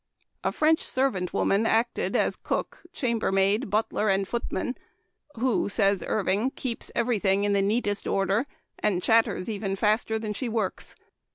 A French servant worn an acted as cook, chamber maid, butler, and footman, " who," says Irving, " keeps every thing in the neatest order, and chatters even faster than she works."